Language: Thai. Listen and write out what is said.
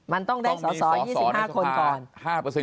มันต้องได้สอสอ๒๕คนก่อน